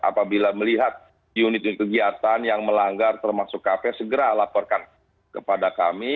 apabila melihat unit unit kegiatan yang melanggar termasuk kafe segera laporkan kepada kami